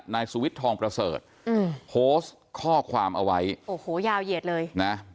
นายสุวิทย์ทองประเสริฐอืมโพสต์ข้อความเอาไว้โอ้โหยาวเหยียดเลยนะ